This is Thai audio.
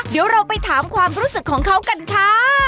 เดี๋ยวเราไปถามความรู้สึกของเขากันค่ะ